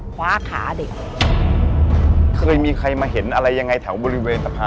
คว้าขาเด็ก